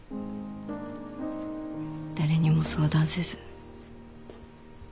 誰にも相談せず。